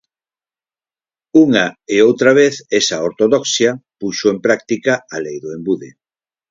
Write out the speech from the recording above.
Unha e outra vez esa ortodoxia puxo en práctica a lei do embude.